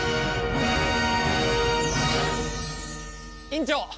院長！